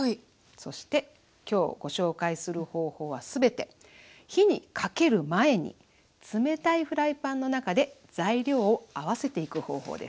そして今日ご紹介する方法は全て火にかける前に冷たいフライパンの中で材料を合わせていく方法です。